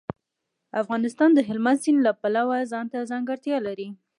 افغانستان د هلمند سیند د پلوه ځانته ځانګړتیا لري.